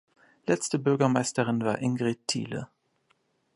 Letzte Bürgermeisterin war Ingrid Thiele.